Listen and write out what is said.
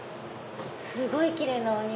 すごいキレイなお肉。